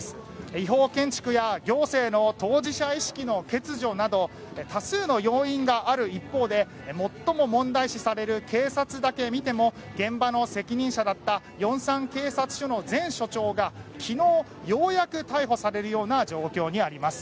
違法建築や行政の当事者意識の欠如など多数の要因がある一方で最も問題視される警察だけ見ても現場の責任者だったヨンサン警察署の前署長が昨日、ようやく逮捕されるような状況にあります。